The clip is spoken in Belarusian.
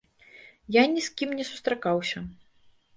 Я ні з кім не сустракаўся.